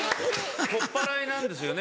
・とっぱらいなんですよね